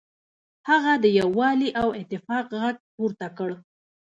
هغه د یووالي او اتفاق غږ پورته کړ.